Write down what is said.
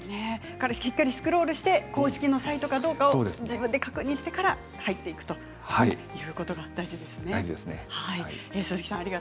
しっかりスクロールして公式のサイトかどうか確認してから入っていくということが大事ですね。